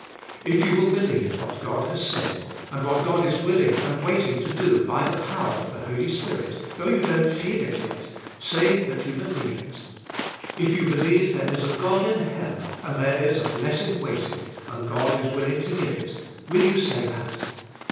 If you will believe what God has said, and what God is willing and waiting to do by the power of the Holy Spirit, though you don't feel it yet, say that you believe it. If you believe there is a God in heaven, and there is a blessing waiting, and God is willing to give it, will you say that?